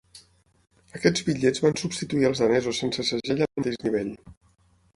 Aquests bitllets van substituir als danesos sense segell al mateix nivell.